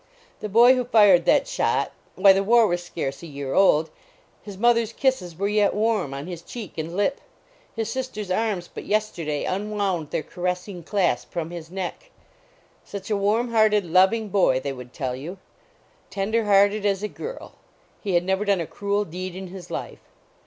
The boy who fired that shot why, the war was scarce a year old his mother s kisses were yet warm on his cheek and lip. His sister s arms but yesterday unwound their caressing clasp from his neck. Such a warm hearted, loving boy, they would tell you. Tender hearted as a girl ; he had never done a cruel deed in his life.